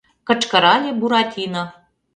— кычкырале Буратино.